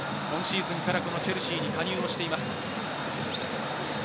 今シーズンからチェルシーに加入をしています。